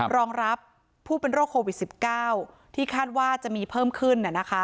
รองรับผู้เป็นโรคโควิด๑๙ที่คาดว่าจะมีเพิ่มขึ้น